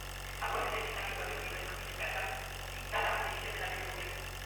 Actualmente la situación oficial se mantiene tras la citada decisión del anterior gobierno.